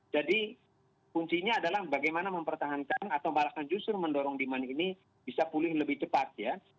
jadi kuncinya adalah bagaimana mempertahankan atau malah kan justru mendorong demand ini bisa pulih lebih cepat ya